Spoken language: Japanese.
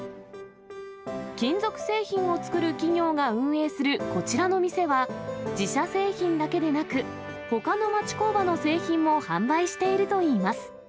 金属製品を作る企業が運営するこちらの店は、自社製品だけでなく、ほかの町工場の製品も販売しているといいます。